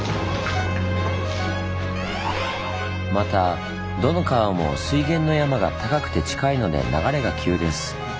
またどの川も水源の山が高くて近いので流れが急です。